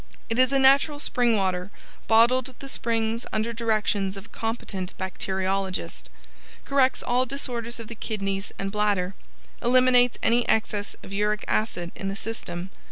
It is a natural spring water, bottled at the springs under directions of a competent bacteriologist. Corrects all disorders of the Kidneys and Bladder. Eliminates any excess of Uric Acid in the system.